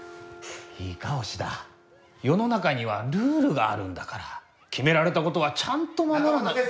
いいか押田よのなかにはルールがあるんだからきめられたことはちゃんとまもらな。